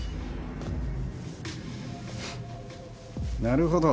なるほど。